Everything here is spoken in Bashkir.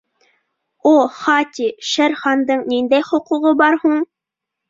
— О, Хати, Шер Хандың ниндәй хоҡуғы бар һуң?